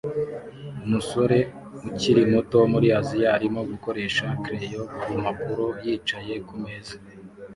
Umusore ukiri muto wo muri Aziya arimo gukoresha crayon kumpapuro yicaye kumeza